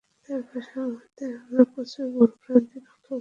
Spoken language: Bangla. তার ভাষার মধ্যে আমরা প্রচুর ভুল-ভ্রান্তি লক্ষ্য করি।